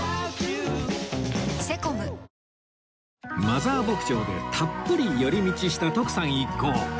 マザー牧場でたっぷり寄り道した徳さん一行